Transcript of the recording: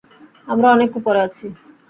আমরা অনেক উপরে আছি।